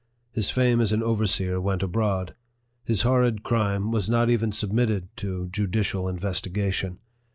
His fame as an overseer went abroad. His horrid crime was not even submitted to judicial investigation.